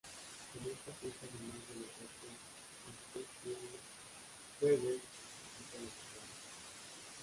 En esta fiesta además de los actos litúrgicos tiene: Jueves: Visita a los enfermos.